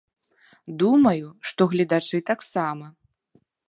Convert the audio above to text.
Думаю, што гледачы таксама.